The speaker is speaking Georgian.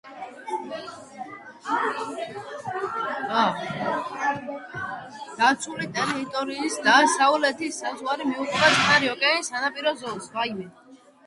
დაცული ტერიტორიის დასავლეთი საზღვარი მიუყვება წყნარი ოკეანის სანაპირო ზოლს.